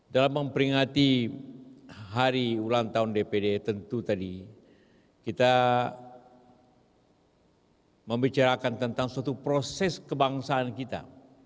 dalam memperingati hari ulang tahun dpd tentu tadi kita membicarakan tentang suatu proses kebangsaan kita